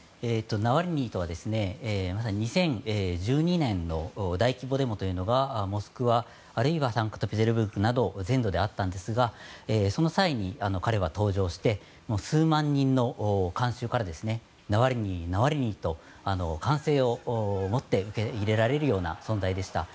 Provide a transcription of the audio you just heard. ナワリヌイとはまた２０１２年の大規模デモというのがモスクワ、あるいはサンクトペテルブルクなど全土であったんですがその際に彼は登場して数万人の観衆からナワリヌイ、ナワリヌイと歓声を持って受け入れられるような存在でした。